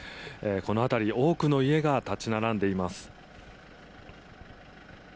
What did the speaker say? この辺り、多くの家が立ち並んでいます。